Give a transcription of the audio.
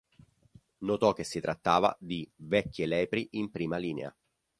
Notò che si trattava di "vecchie lepri in prima linea".